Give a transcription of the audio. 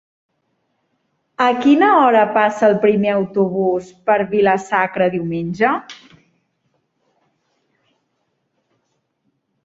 A quina hora passa el primer autobús per Vila-sacra diumenge?